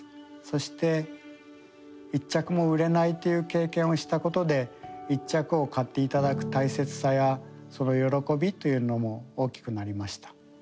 そして１着も売れないという経験をしたことで１着を買って頂く大切さやその喜びというのも大きくなりました。